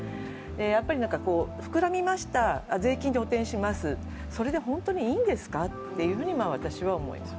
やっぱり膨らみました、税金で補填します、それで本当にいいんですかと私は思います。